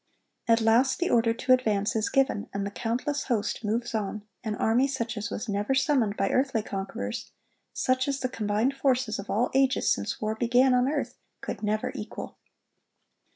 At last the order to advance is given, and the countless host moves on,—an army such as was never summoned by earthly conquerors, such as the combined forces of all ages since war began on earth could never equal.